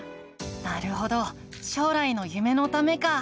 なるほど将来の夢のためか。